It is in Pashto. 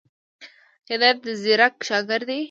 هدایت ځيرک شاګرد دی.